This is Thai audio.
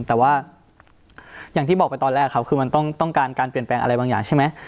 แต่ว่าอย่างที่บอกไปตอนแรกครับคือมันต้องการการเปลี่ยนแปลงอะไรบางอย่างใช่ไหม